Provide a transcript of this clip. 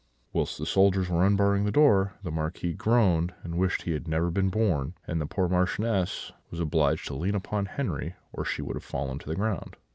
Whilst the soldiers were unbarring this door, the Marquis groaned, and wished he had never been born; and the poor Marchioness was obliged to lean upon Henri, or she would have fallen to the ground.